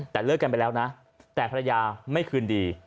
แต่เลิกกันไปแล้วนะแต่ภรรยาไม่คืนดี